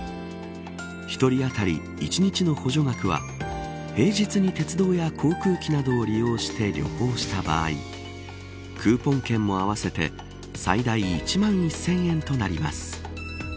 １人当たり１日の補助額は平日に、鉄道や航空機などを利用して旅行した場合クーポン券も合わせて最大１万１０００円となります。